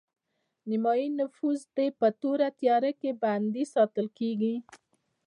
نیمایي نفوس دې په تورو تیارو کې بندي ساتل کیږي